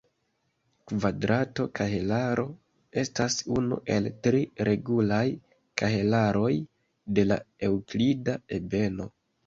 Kvadrato kahelaro estas unu el tri regulaj kahelaroj de la eŭklida ebeno.